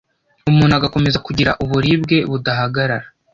umuntu agakomeza kugira uburibwe budahagarara